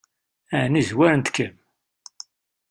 Ɛni zwarent-kem?